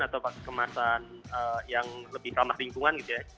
atau pakai kemasan yang lebih ramah lingkungan gitu ya